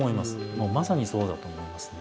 もうまさにそうだと思いますね。